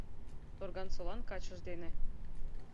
Торгансолан качыж дене